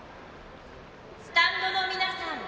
スタンドの皆さん